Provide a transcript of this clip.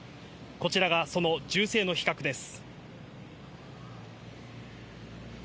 こちらがその銃声の比較です。